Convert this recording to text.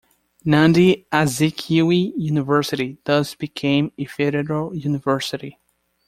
Nnamdi Azikiwe University, thus, became a Federal University.